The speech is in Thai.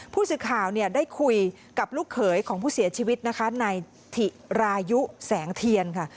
ผู้สื่อข่าวเนี่ยได้คุยกับลูกเขยของผู้เสียชีวิตนะคะนายถิรายุแสงเทียนค่ะ